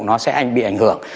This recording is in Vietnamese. nó sẽ bị ảnh hưởng